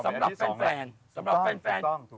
เพราะท่านเนี่ยก็จะเป็นอีกหนึ่งแขกรับเชิญของเราในวันนี้